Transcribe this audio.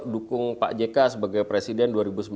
dukung pak jk sebagai presiden